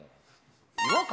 違和感